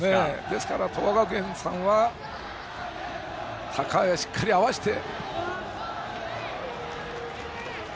ですから、東亜学園さんはしっかり合わせて。